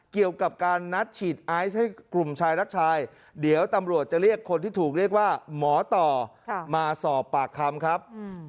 เกี่ยวกับการนัดฉีดไอซ์ให้กลุ่มชายรักชายเดี๋ยวตำรวจจะเรียกคนที่ถูกเรียกว่าหมอต่อมาสอบปากคำครับ